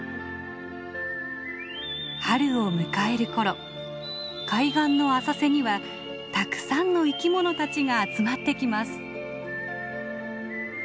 春を迎える頃海岸の浅瀬にはたくさんの生きものたちが集まってきます。